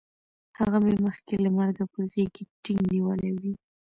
هغه مې مخکې له مرګه په غېږ کې ټینګ نیولی وی